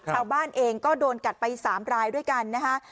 ชาวบ้านเองก็โดนกัดไป๓รายด้วยกันนะคะ